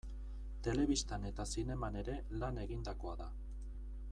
Telebistan eta zineman ere lan egindakoa da.